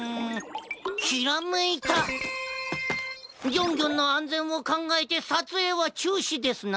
ギョンギョンのあんぜんをかんがえてさつえいはちゅうしですな！